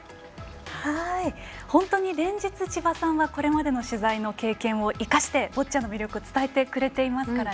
本当に連日、千葉さんはこれまでの取材の経験を生かしてボッチャの魅力を伝えてくれていますから。